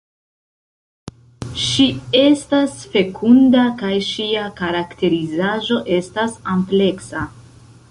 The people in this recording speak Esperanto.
Ŝi estas fekunda kaj ŝia karakterizaĵo estas ampleksa.